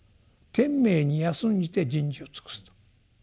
「天命に安んじて人事を尽くす」と。